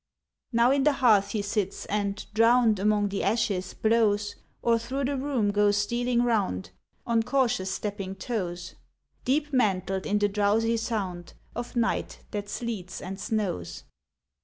Now in the hearth he sits and, drowned Among the ashes, blows; Or through the room goes stealing 'round On cautious stepping toes, Deep mantled in the drowsy sound Of night that sleets and snows.